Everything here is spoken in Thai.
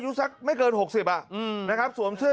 บ้านทำบ้านของพี่